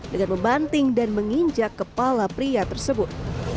dengan membanting dan menginjak kepala pria tersebut